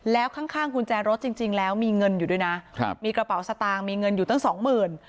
แล้วข้างข้างกุญแจรถจริงแล้วมีเงินอยู่ด้วยนะครับมีกระเป๋าสตางค์มีเงินอยู่ตั้งสองหมื่น